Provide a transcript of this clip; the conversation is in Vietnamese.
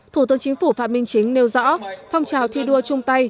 thủ tướng chính phủ phạm minh chính nêu rõ phong trào thi đua chung tay